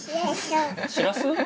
しらす？